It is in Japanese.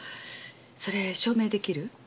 それ証明出来る？